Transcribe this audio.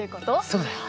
そうだよ。